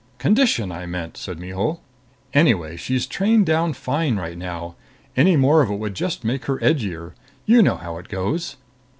"Condition, I meant," said Mihul. "Anyway, she's trained down fine right now. Any more of it would just make her edgier. You know how it goes."